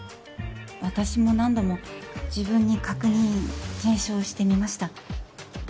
私も何度も自分に確認検証してみました